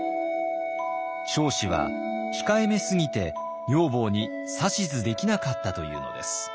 彰子は控えめすぎて女房に指図できなかったというのです。